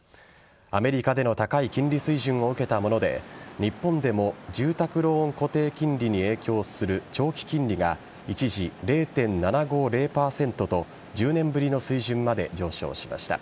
アメリカでの高い金利水準を受けたもので日本でも住宅ローン固定金利に影響する長期金利が一時０．７５０％と１０年ぶりの水準まで上昇しました。